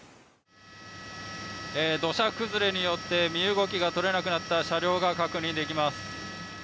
土砂崩れによって身動きが取れなくなった車両が確認できます。